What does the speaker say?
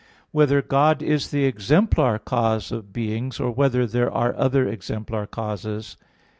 (3) Whether God is the exemplar cause of beings or whether there are other exemplar causes?